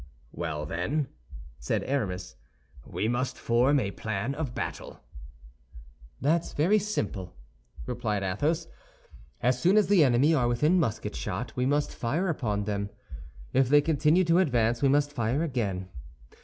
"Well, then," said Aramis, "we must form a plan of battle." "That's very simple," replied Athos. "As soon as the enemy are within musket shot, we must fire upon them. If they continue to advance, we must fire again.